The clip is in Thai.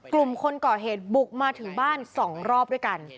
กลุ่มคนก่อเหตุบุกมาถึงบ้าน๒รอบด้วยกัน